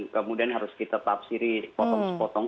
kemudian harus kita tafsiri potong sepotong